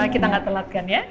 kita gak telat kan ya